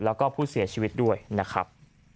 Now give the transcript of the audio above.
แล้วก็ผู้เสียชีวิตด้วยนะครับ